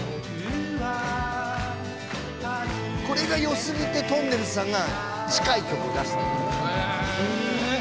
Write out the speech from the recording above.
「これがよ過ぎてとんねるずさんが近い曲出したんだよね」